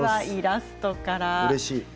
うれしい。